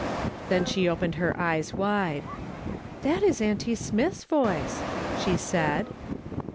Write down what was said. Then she opened her eyes wide. " That is auntie Smith's voice," she said.